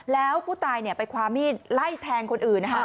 แล้วผู้ตายไปคว้ามีดไล่แทงคนอื่นนะคะ